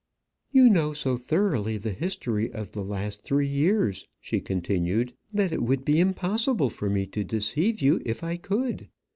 "You know so thoroughly the history of the last three years," she continued, "that it would be impossible for me to deceive you if I could.